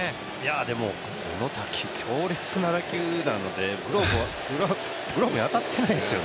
でも、この強烈な打球なのでグラブに当たってないですよね。